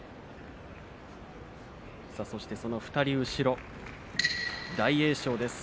そして、その２人後ろ大栄翔です。